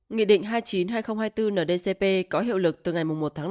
nghị định hai mươi chín hai nghìn hai mươi bốn ndcp có hiệu lực từ ngày một năm hai nghìn hai mươi bốn